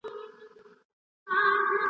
د لوړښت و بام ته رسېدل